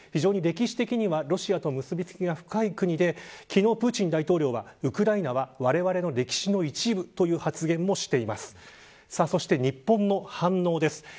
歴史的にはロシアと結び付きが深い国で昨日、プーチン大統領はウクライナはわれわれの歴史の一部という発言もしていましたそして日本の反応です。